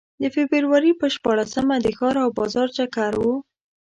د فبروري په شپاړسمه د ښار او بازار چکر و.